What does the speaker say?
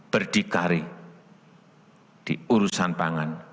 berdikari di urusan pangan